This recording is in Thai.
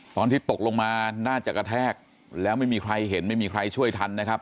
ตอนที่ตกลงมาน่าจะกระแทกแล้วไม่มีใครเห็นไม่มีใครช่วยทันนะครับ